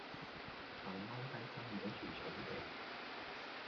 就踎低身摸住草地